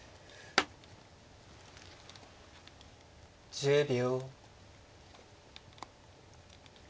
１０秒。